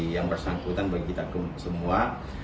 yang bersangkutan bagi kita semua